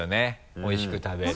おいしく食べる。